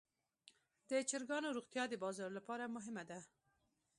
د چرګانو روغتیا د بازار لپاره مهمه ده.